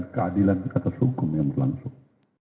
menurut penelitian penyelenggaraan dan penyelenggaraan yang berlangsung